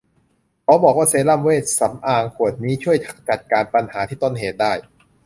ขอบอกว่าเซรั่มเวชสำอางขวดนี้ช่วยจัดการปัญหาที่ต้นเหตุได้